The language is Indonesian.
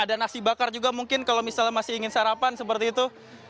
ada nasi bakar juga mungkin kalau misalnya masih ingin sarapan seperti itu